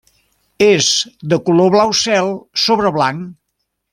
És de color blau cel sobre blanc.